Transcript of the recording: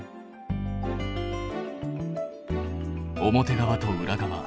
表側と裏側。